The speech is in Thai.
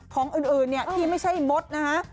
ของอื่นเนี่ยที่ไม่ใช่มดนะฮะ